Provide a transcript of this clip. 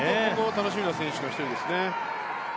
楽しみな選手の１人ですね。